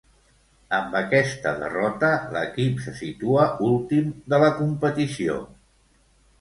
Amb aquesta derrota l'equip se situa últim de la competició.